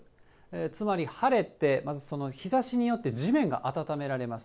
つまり晴れて、まず日ざしによって地面が温められます。